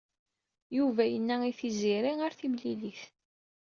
Yuba yenna i Tiziri ar timlilit.